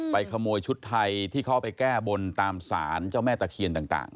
ขโมยชุดไทยที่เขาไปแก้บนตามสารเจ้าแม่ตะเคียนต่าง